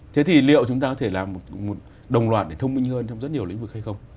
thế thì liệu chúng ta có thể làm một đồng loạt để thông minh hơn trong rất nhiều lĩnh vực hay không